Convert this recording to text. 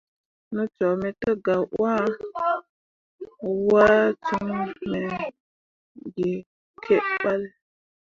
Ne cok me te gah wah, waa coŋ me ke balle.